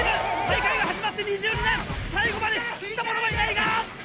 大会が始まって２２年最後まで引き切った者はいないが！